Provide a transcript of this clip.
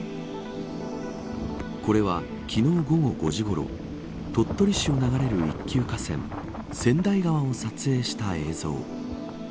これは、昨日午後５時ごろ鳥取市を流れる一級河川千代川を撮影した映像。